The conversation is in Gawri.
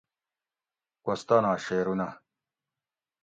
کوستانا شعرونہ